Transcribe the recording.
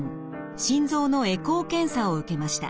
心臓のエコー検査を受けました。